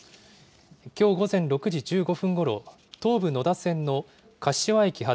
きょう午前６時１５分ごろ、東武野田線の柏駅発